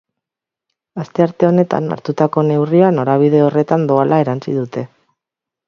Astearte honetan hartutako neurria norabide horretan doala erantsi dute.